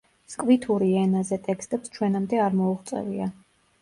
სკვითური ენაზე ტექსტებს ჩვენამდე არ მოუღწევია.